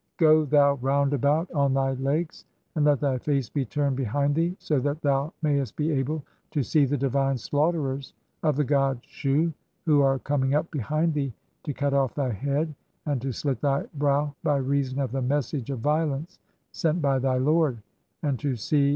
Go thou round about on "thy legs, and let thy face be [turned] behind thee so that thou "mayest be able to see the divine slaughterers of the god Shu "who are coming up (4) behind thee to cut off thy head, and "to slit thy brow by reason of the message of violence [sent] "by thy lord, and to see